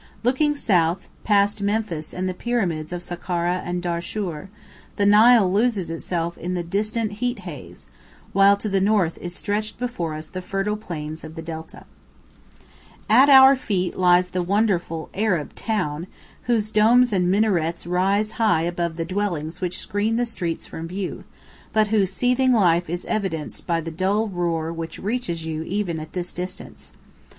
Looking south, past Memphis and the Pyramids of Sakkara and Darshūr, the Nile loses itself in the distant heat haze, while to the north is stretched before us the fertile plains of the Delta. [Illustration: A STREET IN CAIRO.] At our feet lies the wonderful Arab town, whose domes and minarets rise high above the dwellings which screen the streets from view, but whose seething life is evidenced by the dull roar which reaches you even at this distance.